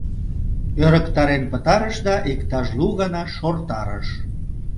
Ӧрыктарен пытарыш да иктаж лу гана шортарыш.